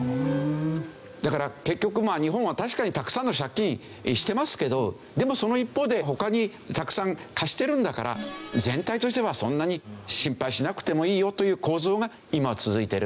だから結局日本は確かにたくさんの借金してますけどでもその一方で他にたくさん貸してるんだから全体としてはそんなに心配しなくてもいいよという構造が今は続いている。